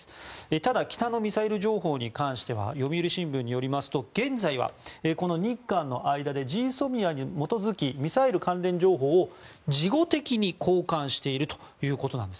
ただ北のミサイル情報に関しては読売新聞によりますと現在はこの日韓の間でＧＳＯＭＩＡに基づきミサイル関連情報を事後的に交換しているということなんです。